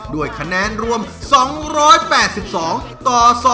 ด้วยคะแนนรวม๒๘๒ต่อ๒